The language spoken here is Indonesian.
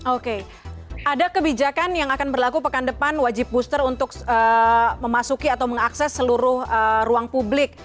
oke ada kebijakan yang akan berlaku pekan depan wajib booster untuk memasuki atau mengakses seluruh ruang publik